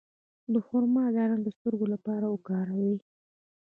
د خرما دانه د سترګو لپاره وکاروئ